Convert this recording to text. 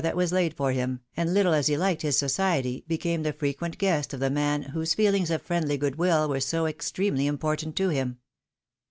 805 that was laid for him, and little as he Uked his society, became the frequent guest of the man whose feehngs of friendly good will were so extremely important to him.